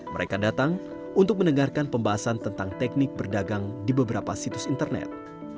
mereka datang untuk mendengarkan pembahasan tentang teknik berdagang di beberapa situs internet